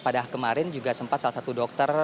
pada kemarin juga sempat salah satu dokter